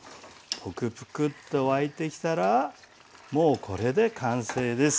プクプクッと沸いてきたらもうこれで完成です。